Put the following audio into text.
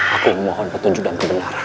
aku memohon petunjuk dan kebenaran